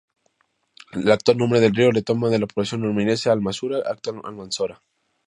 El actual nombre del río, lo toma de la población almeriense al-mansura actual Almanzora.